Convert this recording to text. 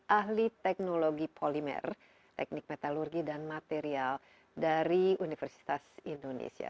ahli teknologi polimer teknik metalurgi dan material dari universitas indonesia